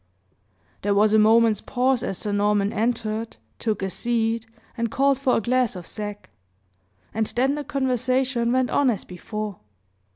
There was a moment's pause, as Sir Norman entered, took a seat, and called for a glass of sack, and then the conversation went on as before.